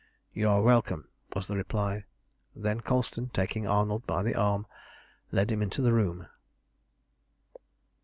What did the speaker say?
"You are welcome," was the reply, and then Colston, taking Arnold by the arm, led him into the room.